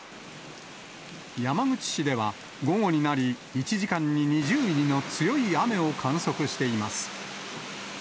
山口市では、午後になり、１時間に２０ミリの強い雨を観測しています。